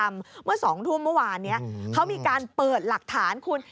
เมื่อ๒ทุ่มเมื่อวานนี้เขามีการเปิดหลักฐานคุณ